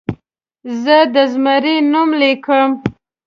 زه د زمري نوم لیکم.